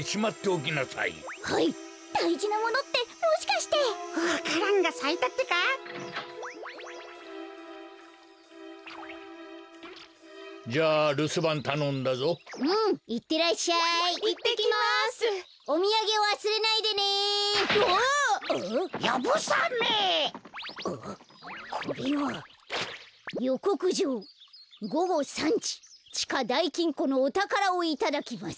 「よこくじょうごご３じちかだいきんこのおたからをいただきます。